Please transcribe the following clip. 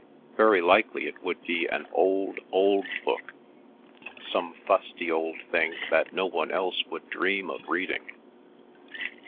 Very likely it would be an old, old book, some fusty old thing that no one else would dream of reading.